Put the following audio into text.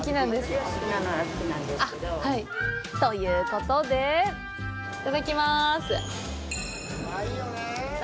私が好きなのは小豆なんですけど。ということでいただきまーす。